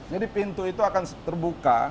jadi pintu itu akan terbuka